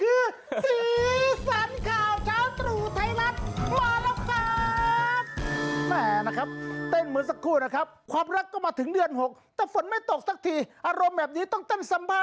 คุณเมฆพี่เมฆขอร้องเพราะนี่คือสีสันขาวเช้าตรู่ไทยลักษณ์วันนี้แล้วครับ